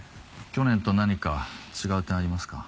去年と何か違う点ありますか？